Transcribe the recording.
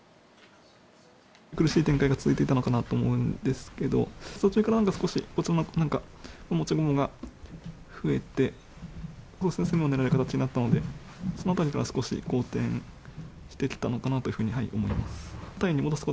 苦しい展開が続いていたのかなと思うんですけど、途中からなんか少し、こちらの持ち駒が増えて、攻めも狙える形になったので、そのあたりから少し、好転してきたのかなというふうに思います。